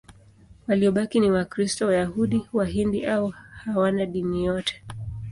Waliobaki ni Wakristo, Wayahudi, Wahindu au hawana dini yote.